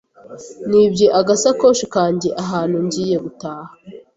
Nibye agasakoshi kanjye ahantu ngiye gutaha.